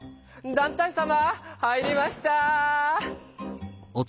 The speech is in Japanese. だん体さま入りました！